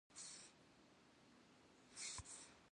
Psalher şraheç'ç'e herf zeguetxer zeç'eraçırkhım.